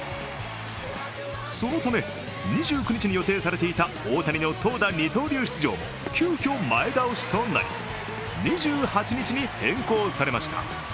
そのため、２９日に予定されていた大谷の投打二刀流出場も急きょ、前倒しとなり、２８日に変更されました。